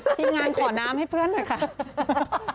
ทีมงานขอน้ำให้เพื่อนหน่อยค่ะ